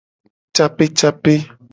Capecape.